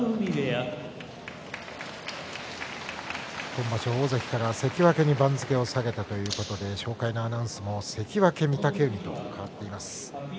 今場所、大関から関脇に番付を下げたということで紹介のアナウンスも関脇御嶽海と変わっています。